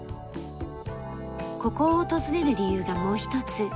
ここを訪れる理由がもう一つ。